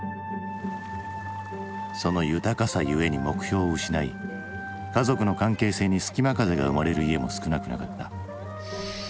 その豊かさゆえに目標を失い家族の関係性にすきま風が生まれる家も少なくなかった。